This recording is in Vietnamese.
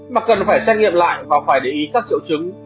mà cần phải xét nghiệm lại và phải để ý các triệu chứng